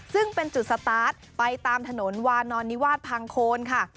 ซึ่งเป็นจุดสตาร์ทไปตามถนนวานอนนิวาสพังโคนค่ะ